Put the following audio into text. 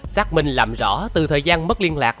xác minh làm rõ từ thời gian mất liên lạc